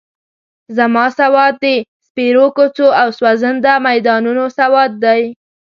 زما سواد د سپېرو کوڅو او سوځنده میدانونو سواد دی.